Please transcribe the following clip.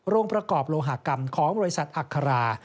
ประกอบโลหกรรมของบริษัทอัครา